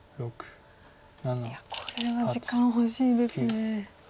いやこれは時間欲しいですね。